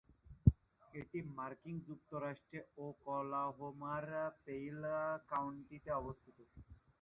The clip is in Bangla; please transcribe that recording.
এটি মার্কিন যুক্তরাষ্ট্রের ওকলাহোমার পেইন কাউন্টিতে অবস্থিত।